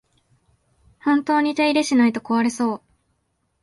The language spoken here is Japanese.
本当に手入れしないと壊れそう